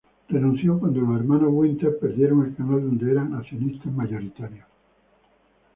Renunció cuando los hermanos Winter perdieron el canal donde eran accionistas mayoritarios.